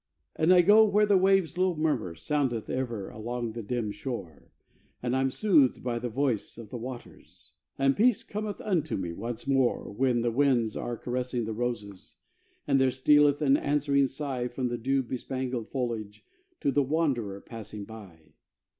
And I go where the waves' low murmur Soundeth ever along the dim shore, And I'm soothed by the voice of the waters, And peace cometh unto me once more When the winds are caressing the roses, And there stealeth an answering sigh From the dew bespangled foliage To the wanderer passing by.